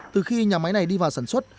từ khi nhà máy này đi vào sản xuất